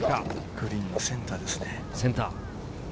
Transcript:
グリーンのセンターです。